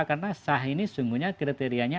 karena sah ini sungguhnya kriterianya